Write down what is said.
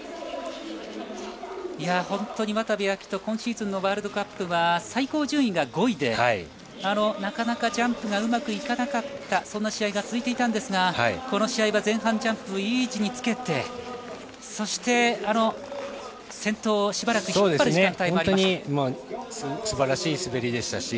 本当に渡部暁斗、今シーズンのワールドカップは最高順位が５位でなかなかジャンプがうまくいかなかったそんな試合が続いていたんですがこの試合は前半ジャンプいい位置につけてそして、先頭をしばらく引っ張る時間帯もありました。